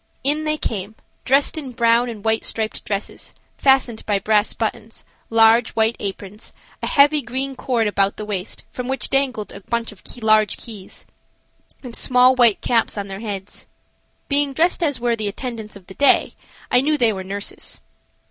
In they came, dressed in brown and white striped dresses, fastened by brass buttons, large, white aprons, a heavy green cord about the waist, from which dangled a bunch of large keys, and small, white caps on their heads. Being dressed as were the attendants of the day, I knew they were nurses.